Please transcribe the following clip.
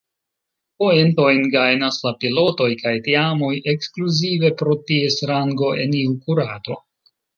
Poentojn gajnas la pilotoj kaj teamoj ekskluzive pro ties rango en iu kurado.